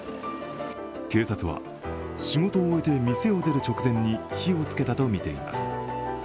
警察は仕事を終えて店を出る直前に火をつけたとみられています。